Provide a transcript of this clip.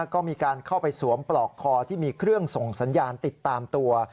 ก็มีการเข้าไปสวมปลอกคอที่มีเครื่องส่งสัญญาณติดตามตัว